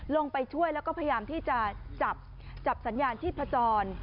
ลงไปช่วยแล้วก็พยายามที่จะจับจับสัญญาณชีพจร